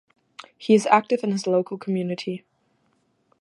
He is active in his local community.